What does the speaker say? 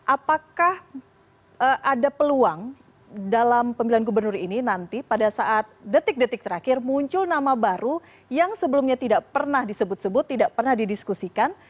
apakah ada peluang dalam pemilihan gubernur ini nanti pada saat detik detik terakhir muncul nama baru yang sebelumnya tidak pernah disebut sebut tidak pernah didiskusikan